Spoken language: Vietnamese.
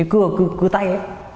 cái cưa cưa tay